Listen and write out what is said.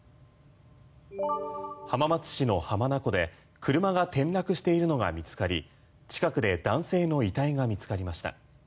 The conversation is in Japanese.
浜松市の浜名湖で車が転落しているのが見つかり近くで男性の遺体が見つかりました。